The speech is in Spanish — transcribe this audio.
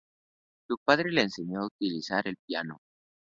Su padre le enseñó a utilizar el piano.